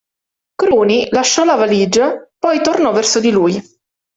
Cruni lasciò la valigia, poi tornò verso di lui.